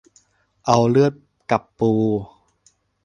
เอาเลือดกับปู